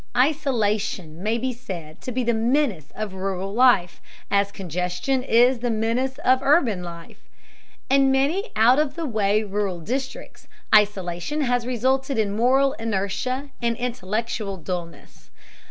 Isolation may be said to be the menace of rural life, as congestion is the menace of urban life. In many out of the way rural districts isolation has resulted in moral inertia and intellectual dullness.